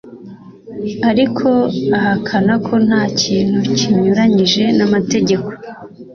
ariko ahakana ko nta kintu kinyuranyije n'amategeko